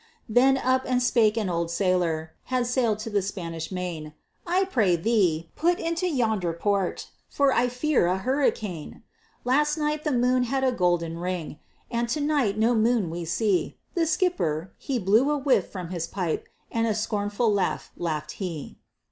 Then up and spake an old Sailòr, Had sailed to the Spanish Main, "I pray thee, put into yonder port, For I fear a hurricane. "Last night, the moon had a golden ring, And to night no moon we see!" The skipper, he blew a whiff from his pipe, And a scornful laugh laughed he.